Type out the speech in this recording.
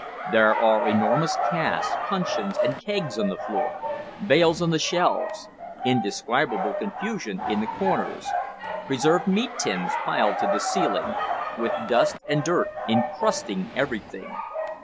There are enormous casks, puncheons, and kegs on the floor; bales on the shelves; indescribable confusion in the corners; preserved meat tins piled to the ceiling; with dust and dirt encrusting everything.